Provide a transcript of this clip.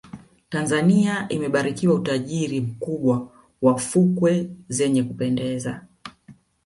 tanzania imebarikiwa utajiri mkubwa wa fukwe zenye kupendeza